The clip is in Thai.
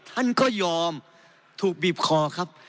ท่านก็ยอมถูกบีบคอครับ